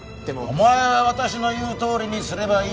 お前は私の言うとおりにすればいい。